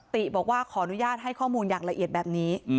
ติบอกว่าขออนุญาตให้ข้อมูลอย่างละเอียดแบบนี้